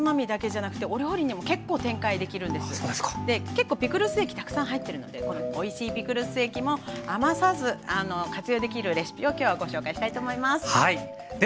結構ピクルス液たくさん入ってるのでこのおいしいピクルス液も余さず活用できるレシピを今日はご紹介したいと思います。